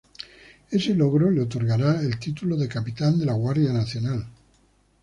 Ese logro le otorgará el título de capitán de la Guardia Nacional.